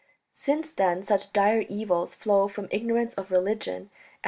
. Since then such dire evils flow from ignorance of religion and